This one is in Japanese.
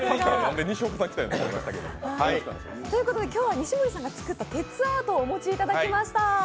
今日は西森さんが作っていただいて、鉄アートをお持ちいただきました。